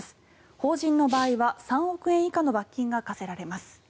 法人の場合は３億円以下の罰金が科せられます。